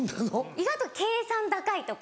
意外と計算高いとか。